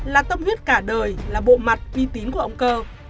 là tâm huyết cả đời là bộ mặt uy tín của ông cơ